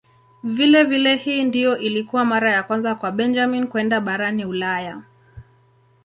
Vilevile hii ndiyo ilikuwa mara ya kwanza kwa Benjamin kwenda barani Ulaya.